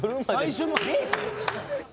最初の日？